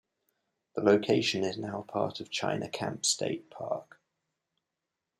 The location is now part of China Camp State Park.